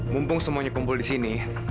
mumpung semuanya kumpul disini